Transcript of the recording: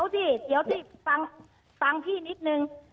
สิเดี๋ยวสิฟังพี่นิดนึง